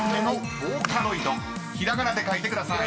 ［ひらがなで書いてください］